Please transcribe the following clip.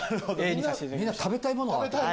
みんな食べたいものが。